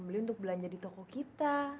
beli untuk belanja di toko kita